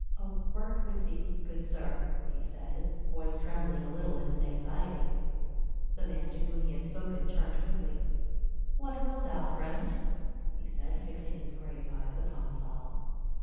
" A word with thee, good sir," he said, his voice trembling a little in his anxiety. The man to whom he had spoken turned quickh'. "What will thou, friend?" he said, fi.xing his grave eyes upon Saul.